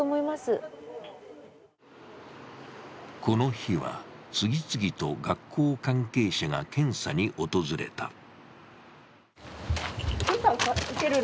この日は次々と学校関係者が検査に訪れた。